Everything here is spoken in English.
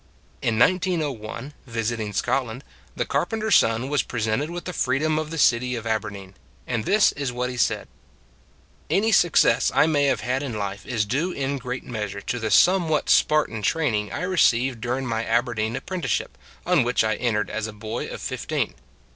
In 1901, visiting Scotland, the carpen ter s son was presented with the freedom of the city of Aberdeen; and this is what he said: Any success I may have had in life is due in great measure to the somewhat Spartan training I received during my Aberdeen apprenticeship, on which I entered as a boy of fifteen.